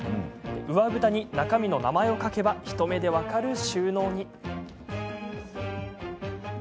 上ぶたに中身の名前を書けば一目で分かる収納に。